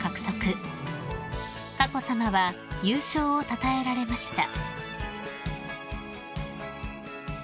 ［佳子さまは優勝をたたえられました］